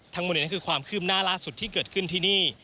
ทั้งหมดนี้คือความคืบหน้าล่าสุดที่เกิดขึ้นที่นี่